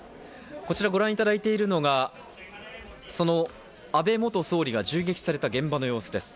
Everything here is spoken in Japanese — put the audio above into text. こちらご覧いただいているのがその安倍元総理が銃撃された現場の様子です。